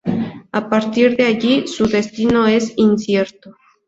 A partir de allí su destino es incierto.